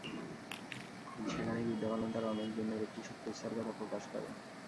সেখানেই বিদ্যা বালান তাঁর অনেক দিনের একটি সুপ্ত ইচ্ছার কথা প্রকাশ করেন।